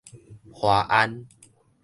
華安